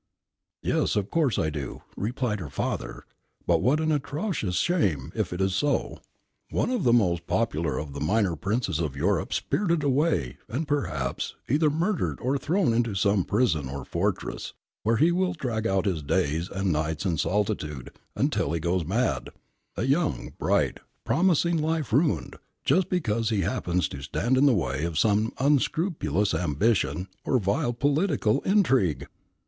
"Yes, of course I do," replied her father. "But what an atrocious shame, if it is so! One of the most popular of the minor princes of Europe spirited away, and perhaps either murdered or thrown into some prison or fortress, where he will drag out his days and nights in solitude until he goes mad: a young, bright, promising life ruined, just because he happens to stand in the way of some unscrupulous ambition, or vile political intrigue!